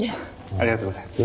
ありがとうございます。